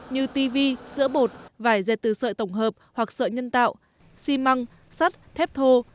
như ti vi sữa bột vải dẹp từ sợi tổng hợp hoặc sợi nhân tạo si măng sắt thép thô